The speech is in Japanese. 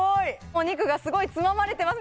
お肉がすごいつままれてます